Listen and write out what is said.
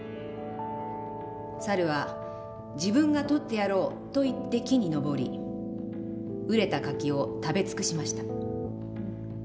猿は『自分が取ってやろう』と言って木に登り熟れた柿を食べ尽くしました。